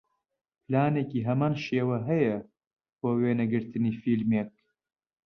پلانێکی هەمان شێوە هەیە بۆ وێنەگرتنی فیلمێک